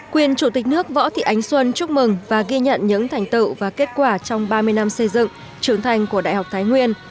quyền chủ tịch nước võ thị ánh xuân chúc mừng và ghi nhận những thành tựu và kết quả trong ba mươi năm xây dựng trưởng thành của đại học thái nguyên